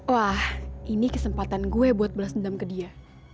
wah ini kesempatan gue buat balas dendam ke dia